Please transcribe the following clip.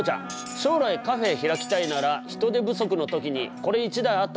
将来カフェ開きたいなら人手不足の時にこれ１台あったほうがよくない？